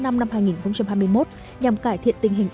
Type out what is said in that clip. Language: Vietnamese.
năm năm hai nghìn hai mươi một nhằm cải thiện tình hình